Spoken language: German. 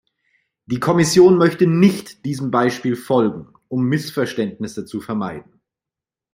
Die Kommission möchte nicht diesem Beispiel folgen, um Missverständnisse zu vermeiden.